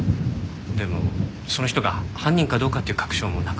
でもその人が犯人かどうかっていう確証もなくて。